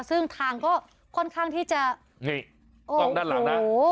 ซึ่งทางก็ค่อนข้างที่จะนี่กล้องด้านหลังนะ